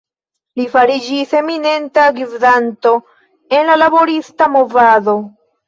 Li fariĝis eminenta gvidanto en la laborista movado.